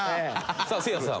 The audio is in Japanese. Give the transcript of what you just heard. さあせいやさん